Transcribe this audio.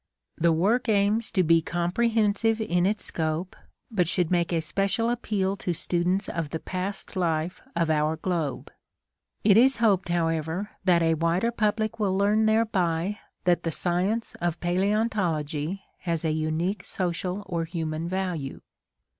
The work aims to be comprehensive in its scope, but should make a special appeal to students of the past life of our globe. It is hoped, however, that a wider public will learn thereby that the science of Paleontology has a unique social or human value.